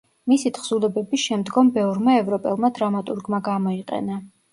მისი თხზულებები შემდგომ ბევრმა ევროპელმა დრამატურგმა გამოიყენა.